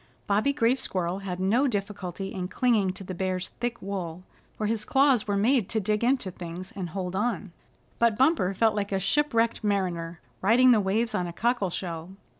Bobby Gray Squirrel had no difficulty in clinging to the Bear's thick wool, for his claws were made to dig into things and hold on; but Bumper felt like a shipwrecked mariner riding the waves on a cockle shell.